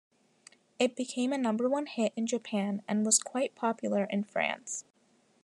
It became a number one hit in Japan and was quite popular in France.